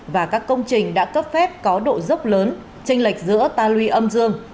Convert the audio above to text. và các công trình đã cấp phép có độ dốc lớn tranh lệch giữa ta luy âm dương